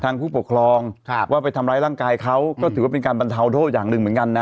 ผู้ปกครองว่าไปทำร้ายร่างกายเขาก็ถือว่าเป็นการบรรเทาโทษอย่างหนึ่งเหมือนกันนะ